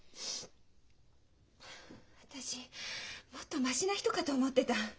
私もっとマシな人かと思ってた。